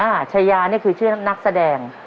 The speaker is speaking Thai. ชายานี่คือชื่อนักแสดง